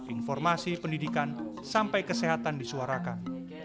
informasi pendidikan sampai kesehatan disuarakan